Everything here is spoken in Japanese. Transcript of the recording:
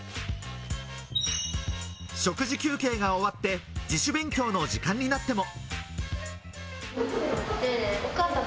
食事休憩が終わって、自主勉強の時間になっても。